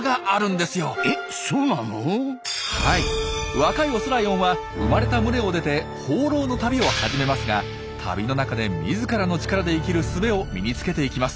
若いオスライオンは生まれた群れを出て放浪の旅を始めますが旅の中で自らの力で生きる術を身につけていきます。